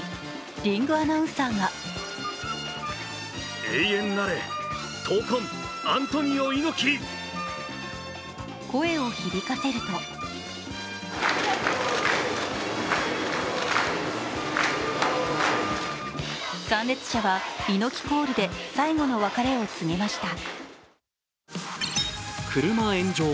リングアナウンサーが声を響かせると参列者は猪木コールで最後の別れを告げました。